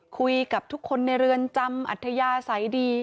คุยกับทุกคนในเรือนจำอัธยาศัยดี